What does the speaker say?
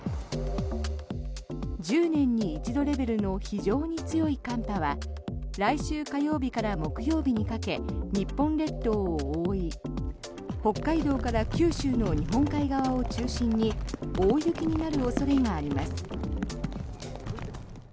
１０年に一度レベルの非常に強い寒波は来週火曜日から木曜日にかけ日本列島を覆い北海道から九州の日本海側を中心に大雪になる恐れがあります。